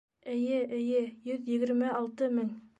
— Эйе, эйе, йөҙ егерме алты мең.